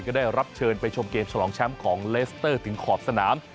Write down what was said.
ก็ได้รับเชิญไปชมเกมฉลองแชมป์ของเลสเตอร์ถึงขอบสนาม